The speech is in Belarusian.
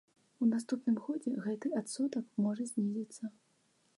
У наступным годзе гэты адсотак можа знізіцца.